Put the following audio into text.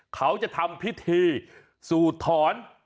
เขาจะทำพิธีสูดถอน